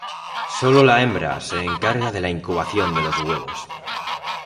Solo la hembra se encarga de la incubación de los huevos.